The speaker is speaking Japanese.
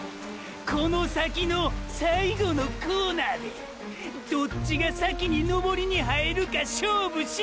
この先のォ最後のコーナーでどっちが先に登りに入るか勝負して！！